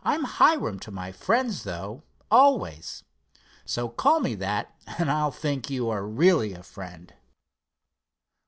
I'm Hiram to my friends, though, always; so call me that and I'll think you are really a friend."